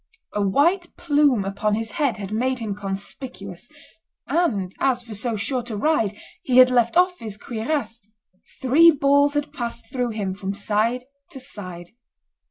A white plume upon his head had made him conspicuous, and as, for so short a ride, he had left off his cuirass, three balls had passed through him from side to side.